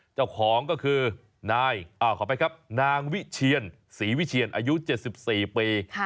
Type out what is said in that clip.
เจ้าของก็คือนางวิเชียนศรีวิเชียนอายุ๗๔ปี